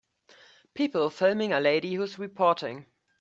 People filming a lady who is reporting.